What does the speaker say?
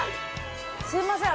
すいません。